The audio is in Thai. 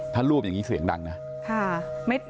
ถ้ารูปอย่างนี้เสียงดังนะ